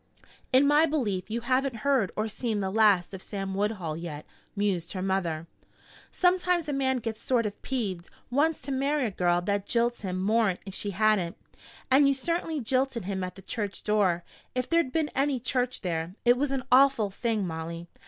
"In my belief you haven't heard or seen the last of Sam Woodhull yet," mused her mother. "Sometimes a man gets sort of peeved wants to marry a girl that jilts him more'n if she hadn't. And you certainly jilted him at the church door, if there'd been any church there. It was an awful thing, Molly.